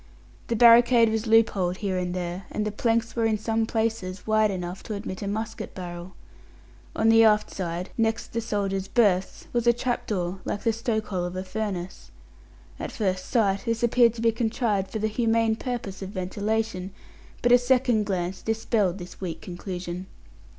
The barricade was loop holed here and there, and the planks were in some places wide enough to admit a musket barrel. On the aft side, next the soldiers' berths, was a trap door, like the stoke hole of a furnace. At first sight this appeared to be contrived for the humane purpose of ventilation, but a second glance dispelled this weak conclusion.